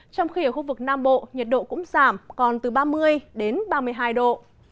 trong khi ở khu vực nam bộ nhiệt độ cũng giảm còn từ ba mươi đến ba mươi hai độ